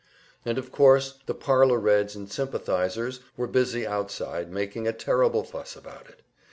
And of course the parlor Reds and sympathizers were busy outside making a terrible fuss about it.